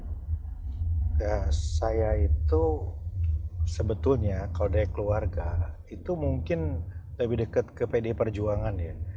ya saya itu sebetulnya kalau dari keluarga itu mungkin lebih dekat ke pdi perjuangan ya